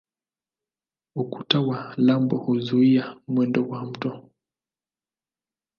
Ukuta wa lambo huzuia mwendo wa mto.